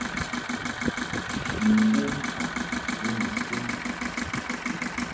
Ni wom faʼ be ni so.